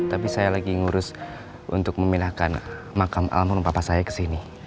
tapi saya lagi ngurus untuk memilihkan makam alam merumba pak saya ke sini